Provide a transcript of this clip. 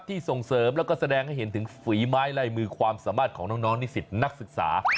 ส่งเสริมแล้วก็แสดงให้เห็นถึงฝีไม้ลายมือความสามารถของน้องนิสิตนักศึกษา